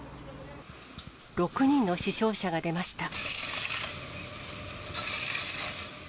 ６人の死傷者が出ました。